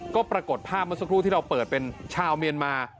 ก็ปรากฏภาพเมื่อสักครู่ที่เราเปิดเป็นชาวเมียนมา